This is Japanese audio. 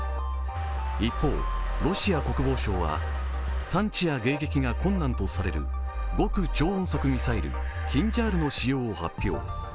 一方、ロシア国防省は探知や迎撃が困難とされる極超音速ミサイルキンジャールの使用を発表。